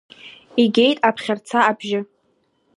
Игеит аԥхьарца абжьы…